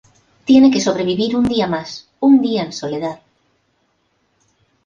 Tiene que sobrevivir un día más, un día en soledad.